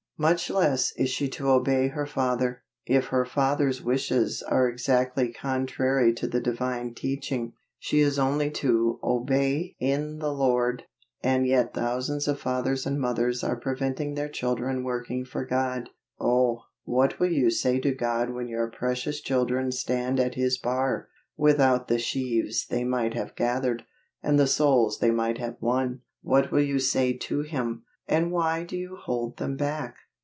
Much less is she to obey her father, if her father's wishes are exactly contrary to the Divine teaching. She is only to obey IN THE LORD, and yet thousands of fathers and mothers are preventing their children working for God. Oh! what will you say to God when your precious children stand at His bar, without the sheaves they might have gathered, and the souls they might have won? What will you say to Him? And why do you hold them back?